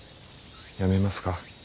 やめますか？